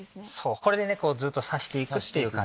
これでねずっと挿して行くっていう感じ。